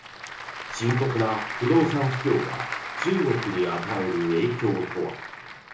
深刻な不動産不況が中国に与える影響とは。